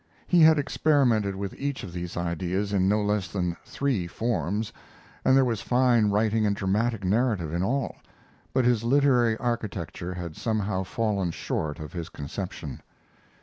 He had experimented with each of these ideas in no less than three forms, and there was fine writing and dramatic narrative in all; but his literary architecture had somehow fallen short of his conception.